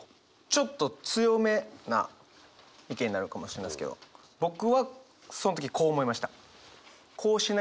ちょっと強めな意見になるかもしれないですけど僕はその時こう思いました。